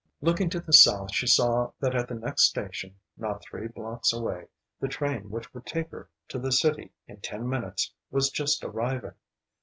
Looking to the south, she saw that at the next station, not three blocks away, the train which would take her to the city in ten minutes was just arriving.